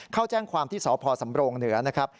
เข้าแจ้งความที่สพสำโรงเหนือนะครับ